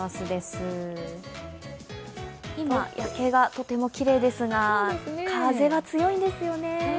今、夜景がとてもきれいですが風は強いんですね。